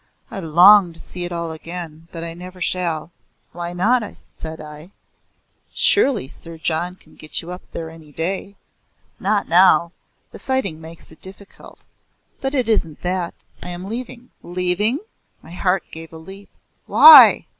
I long to see it all again, but I never shall." "Why not," said I. "Surely Sir John can get you up there any day?" "Not now. The fighting makes it difficult. But it isn't that. I am leaving." "Leaving?" My heart gave a leap. "Why?